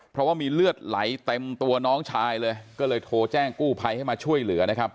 เพราะว่ามีเลือดไหลเต็มตัวน้องชายเลยก็เลยโทรแจ้งกู้ภัยให้มาช่วยเหลือนะครับ